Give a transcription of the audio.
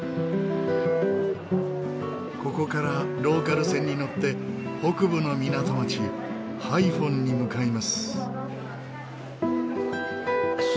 ここからローカル線に乗って北部の港町ハイフォンに向かいます。